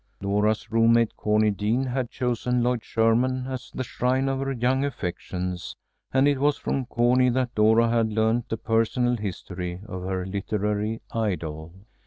Dora's roommate, Cornie Dean, had chosen Lloyd Sherman as the shrine of her young affections, and it was from Cornie that Dora had learned the personal history of her literary idol.